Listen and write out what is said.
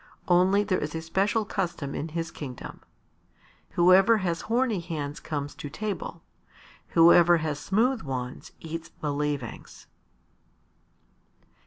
Only there is a special custom in his kingdom whoever has horny hands comes to table; whoever has smooth ones eats the leavings.